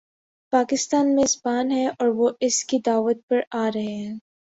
پاکستان میزبان ہے اور وہ اس کی دعوت پر آ رہے ہیں۔